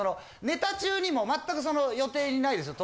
ネタ中にも全く予定にないですよ。